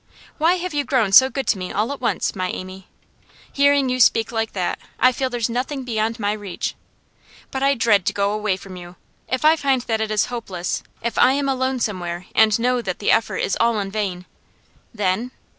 Why have you grown so good to me all at once, my Amy? Hearing you speak like that I feel there's nothing beyond my reach. But I dread to go away from you. If I find that it is hopeless; if I am alone somewhere, and know that the effort is all in vain ' 'Then?